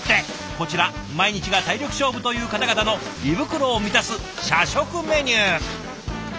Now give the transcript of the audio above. こちら毎日が体力勝負という方々の胃袋を満たす社食メニュー。